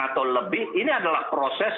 atau lebih ini adalah proses